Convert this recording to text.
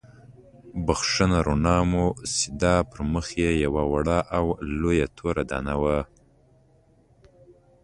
بښنه رڼا وموسېده، پر مخ یې یوه وړه او لویه توره دانه وه.